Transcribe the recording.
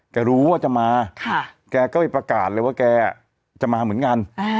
รู้ว่าจะมาแกก็ไปประกาศเลยว่าแกจะมาเหมือนกัน